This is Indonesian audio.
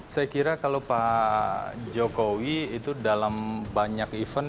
saya kira kalau pak jokowi itu dalam banyak event